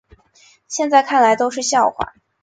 现在看起来都是笑话